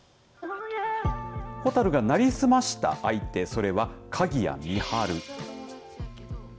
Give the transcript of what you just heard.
ほたるが成り済ました相手それは、鍵谷美晴。